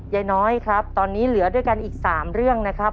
ยายน้อยครับตอนนี้เหลือด้วยกันอีก๓เรื่องนะครับ